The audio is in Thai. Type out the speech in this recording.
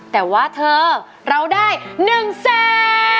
แต่ว่าเธอเราได้๑แสน